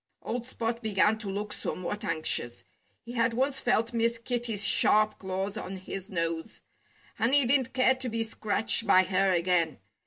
Old Spot began to look somewhat anxious. He had once felt Miss Kitty's sharp claws on his nose. And he didn't care to be scratched by her again.